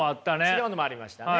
違うのもありましたね。